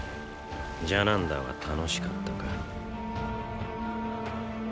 ジャナンダは楽しかったか？